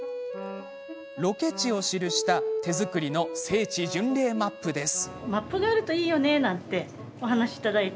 ロケ地を記した手作りの聖地巡礼マップです。